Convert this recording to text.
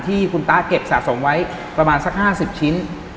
ที่คุณตะเก็บสะสมไว้ประมาณสัก๕๐ชิ้น